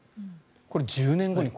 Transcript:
これ、１０年後に。